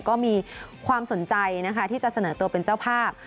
ก็มีความสนใจนะคะที่จะเสนอตัวเป็นเจ้าภาพ